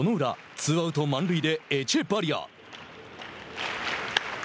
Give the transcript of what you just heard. ツーアウト、満塁でエチェバリア。